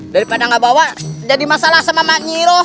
daripada gak bawa jadi masalah sama mak nyiro